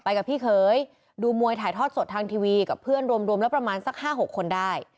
กับพี่เคยดูมวยถ่ายทอดสดทางทีวีกับเพื่อนรวมแล้วประมาณสัก๕๖คนได้